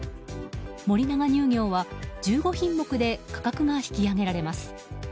森永乳業は１５品目で価格が引き上げられます。